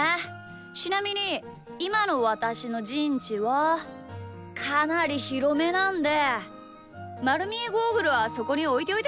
ちなみにいまのわたしのじんちはかなりひろめなんでまるみえゴーグルはそこにおいておいてください。